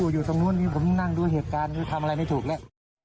อยู่ตรงนู้นผมนั่งด้วยเหตุการณ์ทำอะไรไม่ถูกเลย